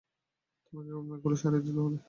তোমাকে কেবল মেঘগুলি সরাইয়া দিতে হইবে।